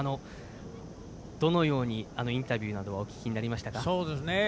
どのようにインタビューなどはお聞きになりましたか？